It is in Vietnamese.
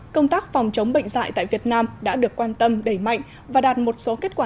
công tác phòng chống bệnh dạy tại việt nam đã được quan tâm đẩy mạnh và đạt một số kết quả